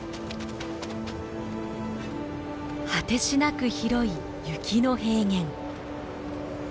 果てしなく広い雪の平原。